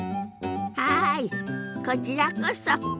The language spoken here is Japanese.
はいこちらこそ。